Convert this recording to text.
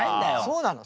そうなの。